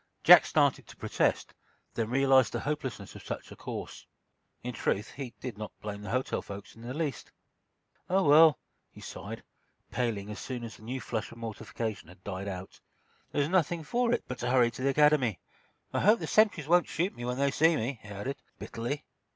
Jack started to protest, then realized the hopelessness of such a course. In truth, he did not blame the hotel folks in the least. "Oh, well," he sighed, paling as soon as the new flush of mortification had died out, "there's nothing for it but to hurry to the Academy. I hope the sentries won't shoot when they see me," he added, bitterly.